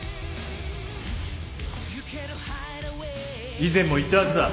以前も言ったはずだ。